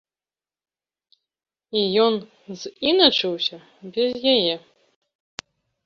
І ён з'іначыўся без яе.